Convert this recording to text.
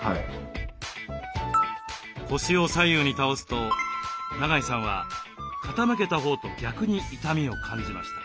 腰を左右に倒すと長井さんは傾けたほうと逆に痛みを感じました。